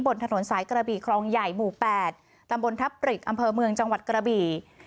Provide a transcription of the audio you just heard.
บนถนนสายกระบี่ครองใหญ่หมู่๘ตำบลทับปริกอำเภอเมืองจังหวัดกระบี่